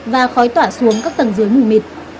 và khói tỏa xuống các tầng dưới mù mịt